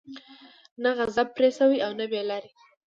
نه غضب پرې شوى او نه بې لاري دي.